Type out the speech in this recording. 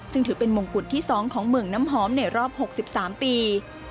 ซึ่งถือเป็นมงกุฎที่๒ของเมืองน้ำหอมในรอบ๖๓ปี